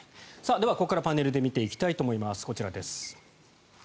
では、ここからパネルで見ていきたいと思います。